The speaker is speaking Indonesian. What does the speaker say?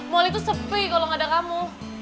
mall itu sepi kalo gak ada kamu